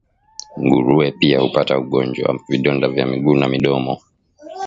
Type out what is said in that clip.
Nguruwe pia hupata ugonjwa wa vidonda vya miguu na midomo